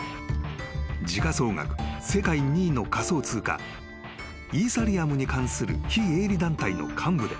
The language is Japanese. ［時価総額世界２位の仮想通貨イーサリアムに関する非営利団体の幹部で］